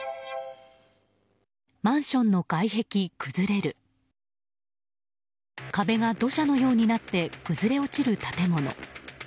壁が土砂のようになって崩れ落ちる建物。